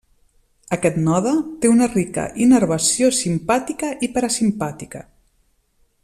Aquest node té una rica innervació simpàtica i parasimpàtica.